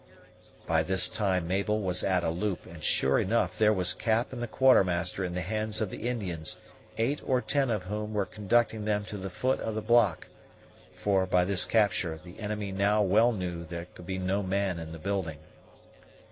By this time Mabel was at a loop; and, sure enough, there were Cap and the Quartermaster in the hands of the Indians, eight or ten of whom were conducting them to the foot of the block, for, by this capture, the enemy now well knew that there could be no man in the building.